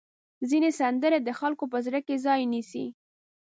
ځینې سندرې د خلکو په زړه کې ځای نیسي.